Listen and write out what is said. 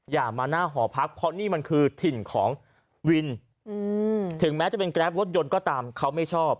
อย่ามาหน้าหอพักเพราะนี่มันคือถิ่นของวินถึงแม้จะเป็นแกรปรถยนต์ก็ตามเขาไม่ชอบ